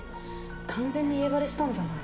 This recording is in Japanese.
完全に家バレしたんじゃない？